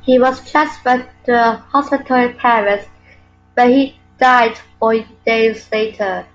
He was transferred to a hospital in Paris, where he died four days later.